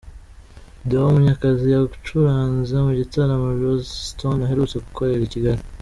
Deo Munyakazi yacuranze mu gitaramo Joss Stone aherutse gukorera i Kigali.